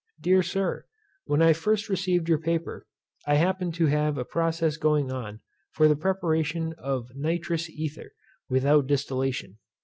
Dear Sir, When I first received your paper, I happened to have a process going on for the preparation of nitrous ether, without distillation.